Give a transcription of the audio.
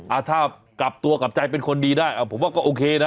อ่ะถ้ากลับตัวกลับใจเป็นคนดีได้อ่ะผมว่าก็โอเคนะ